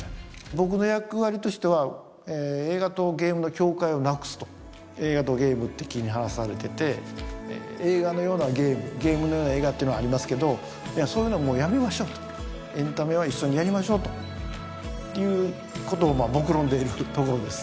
僕の役割としては映画とゲームの境界をなくすと映画とゲームって切り離されてて映画のようなゲームゲームのような映画っていうのはありますけどそういうのはもうやめましょうとエンタメは一緒にやりましょうとっていうことをもくろんでいるところです